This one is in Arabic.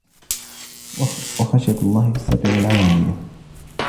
وَخَشْيَةُ اللَّهِ فِي السِّرِّ وَالْعَلَانِيَةِ